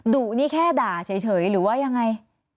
ดุนี่แค่ด่าเฉยหรือว่ายังไง